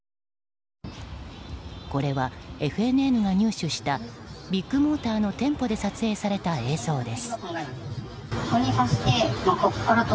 これはＦＮＮが入手したビッグモーターの店舗で撮影された映像です。